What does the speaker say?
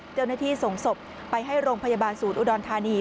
เจ้าหน้าที่ส่งศพไปให้โรงพยาบาลศูนย์อุดรธานี